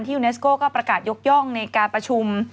ยูเนสโก้ก็ประกาศยกย่องในการประชุม